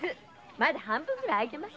まだ半分ぐらい空いてます。